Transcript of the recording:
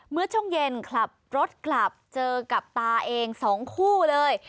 เมื่อช่วงเย็นขับรถกลับเจอกับตาเอง๒คู่เลย